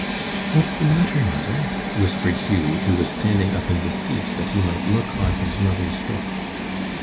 "What's the matter, mother?" whispered Hughie, who was standing up in the seat that he might look on his mother's book.